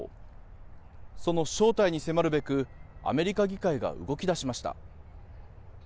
その正体に迫るべくアメリカ議会が動き出しました。